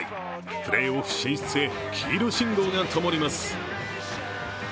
プレーオフ進出へ黄色信号がともります。